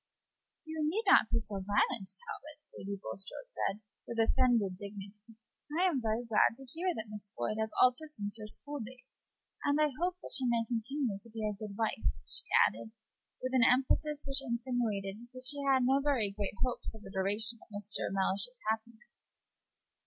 "You need not be so violent, Talbot," Lady Bulstrode said with offended dignity. "I am very glad to hear that Miss Floyd has altered since her school days, and I hope that she may continue to be a good wife," she added, with an emphasis which expressed that she had no very great hopes of the continuance of Mr. Mellish's happiness.